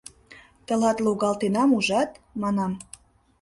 — Тылат логалтенам, ужат? — манам.